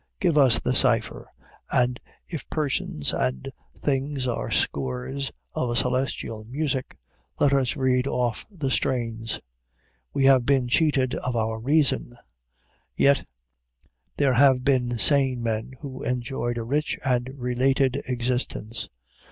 Give us the cipher, and, if persons and things are scores of a celestial music, let us read off the strains. We have been cheated of our reason; yet there have been sane men who enjoyed a rich and related existence.